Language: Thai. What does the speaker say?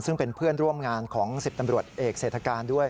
ซึ่งเป็นเพื่อนร่วมงานของ๑๐ตำรวจเอกเศรษฐการด้วย